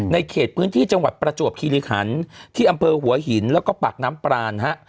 เขตพื้นที่จังหวัดประจวบคิริขันที่อำเภอหัวหินแล้วก็ปากน้ำปรานฮะ